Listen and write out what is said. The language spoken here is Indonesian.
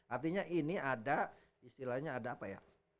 artinya ini ada istilahnya ada apa ya